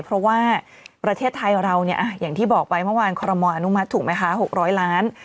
เพราะว่าประเทศไทยเราเนี่ยอย่างที่บอกไปเมื่อวานคอรมออนุมัติถูกไหมคะ๖๐๐ล้าน